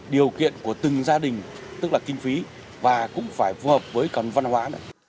điều kiện của từng gia đình tức là kinh phí và cũng phải phù hợp với con văn hóa